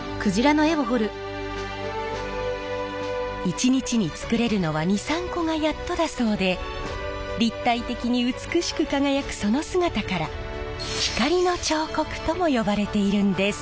一日につくれるのは２３個がやっとだそうで立体的に美しく輝くその姿から光の彫刻とも呼ばれているんです！